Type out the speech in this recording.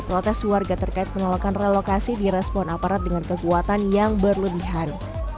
protes warga terkait mengelolakan relokasi di respon aparat dengan kekuatan yang berlebihan